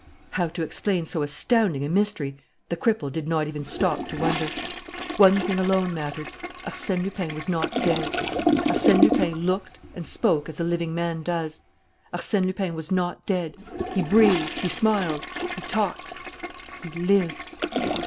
How to explain so astounding a mystery the cripple did not even stop to wonder. One thing alone mattered: Arsène Lupin was not dead. Arsène Lupin looked and spoke as a living man does. Arsène Lupin was not dead. He breathed, he smiled, he talked, he lived!